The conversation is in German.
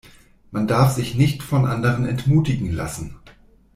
Man darf sich nicht von anderen entmutigen lassen.